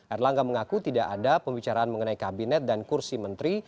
erlangga mengaku tidak ada pembicaraan mengenai kabinet dan kursi menteri